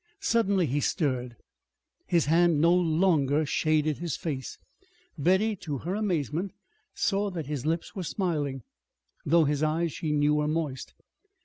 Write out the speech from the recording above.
Suddenly he stirred. His hand no longer shaded his face. Betty, to her amazement, saw that his lips were smiling, though his eyes, she knew, were moist.